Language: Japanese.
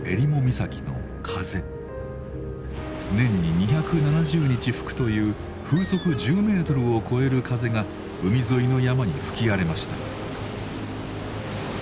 年に２７０日吹くという風速１０ｍを超える風が海沿いの山に吹き荒れました。